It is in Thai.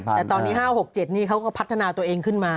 แต่ตอนนี้๕๖๗นี่เขาก็พัฒนาตัวเองขึ้นมา